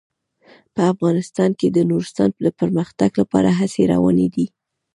په افغانستان کې د نورستان د پرمختګ لپاره هڅې روانې دي.